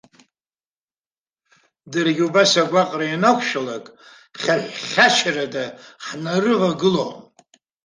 Даргьы убас агәаҟра ианақәшәалак хьаҳә-хьачарада ҳнарывагылон.